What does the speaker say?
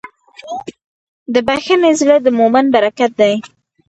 د بښنې زړه د مؤمن برکت دی.